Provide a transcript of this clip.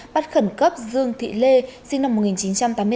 bắt khẩn cấp dương thị lê sinh năm một nghìn chín trăm tám mươi bốn